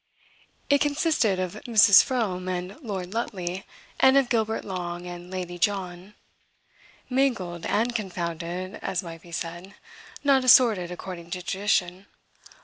It consisted of Mrs. Froome and Lord Lutley and of Gilbert Long and Lady John mingled and confounded, as might be said, not assorted according to tradition.